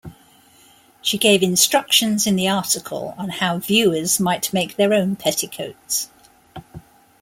She gave instructions in the article on how viewers might make their own petticoats.